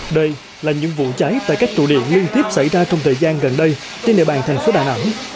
đây là những vụ cháy tại các tụ điểm liên tiếp xảy ra trong thời gian gần đây trên địa bàn thành phố đà nẵng